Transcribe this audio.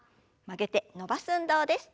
曲げて伸ばす運動です。